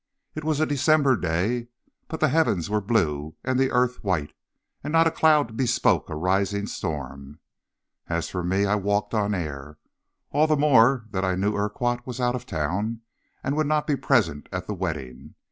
It was a December day, but the heavens were blue and the earth white, and not a cloud bespoke a rising storm. As for me, I walked on air, all the more that I knew Urquhart was out of town and would not be present at the wedding.